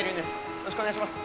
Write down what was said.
よろしくお願いします